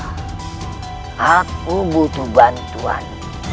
oh aku butuh bantuan